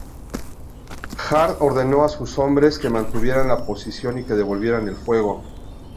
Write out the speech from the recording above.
Heard ordenó a sus hombres que mantuvieran la posición y que devolvieran el fuego.